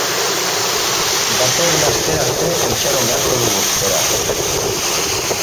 Datorren astera arte itxaron beharko dugu, beraz.